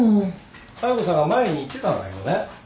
妙子さんが前に言ってたんだけどね